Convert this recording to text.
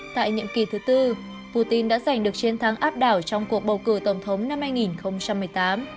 tại nhiệm kỳ thứ bốn putin đã giành được chiến thắng áp đảo trong cuộc bầu cử tổng thống năm